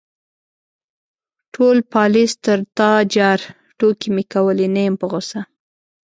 _ټول پالېز تر تا جار، ټوکې مې کولې، نه يم په غوسه.